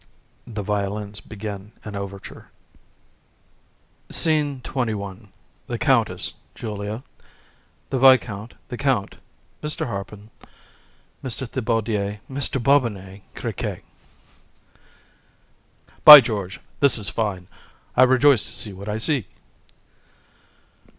(The violins begin an overture.) SCENE XXI. THE COUNTESS, JULIA, THE VISCOUNT, THE COUNT, MR. HARPIN, MR. THIBAUDIER, MR. BOBINET, CRIQUET. HAR. By George! This is fine, and I rejoice to see what I see.